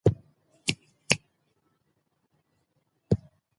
ستونزې حل کول د کورنۍ د پلار یوه مسؤلیت ده.